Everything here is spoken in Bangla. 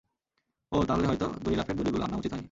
ওহ, তাহলে হয়তো দড়িলাফের দড়িগুলো আনা উচিত হয়নি।